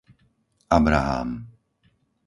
Abrahám